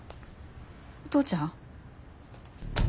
お父ちゃん。